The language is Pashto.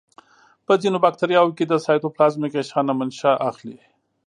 په ځینو باکتریاوو کې د سایتوپلازمیک غشا نه منشأ اخلي.